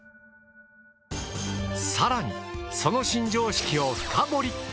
更にその新常識を深堀り。